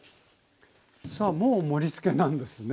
さあもう盛りつけなんですね。